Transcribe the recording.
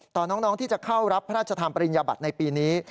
น้องที่จะเข้ารับพระราชทานปริญญาบัติในปีนี้